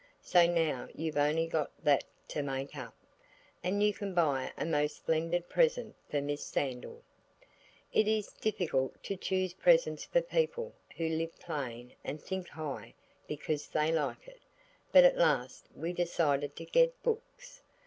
So now you've only got that to make up, and you can buy a most splendid present for Miss Sandal." It is difficult to choose presents for people who live plain and think high because they like it. But at last we decided to get books.